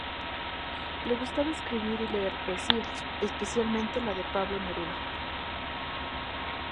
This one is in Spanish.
Le gustaba escribir y leer poesía, especialmente la de Pablo Neruda.